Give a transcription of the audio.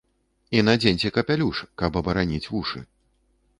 І надзеньце капялюш, каб абараніць вушы.